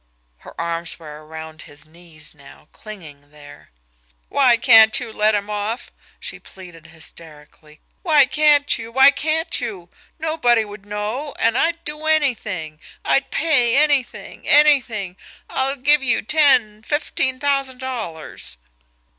Her arms were around his knees now, clinging there. "Why can't you let him off!" she pleaded hysterically. "Why can't you! Why can't you! Nobody would know, and I'd do anything I'd pay anything anything I'll give you ten fifteen thousand dollars!"